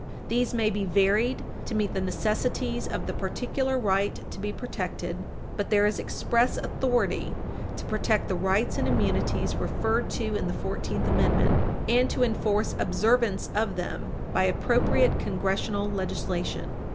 These may be varied to meet the necessities of the particular right to be protected." But there is express authority to protect the rights and immunities referred to in the Fourteenth Amendment, and to enforce observance of them by appropriate congressional legislation.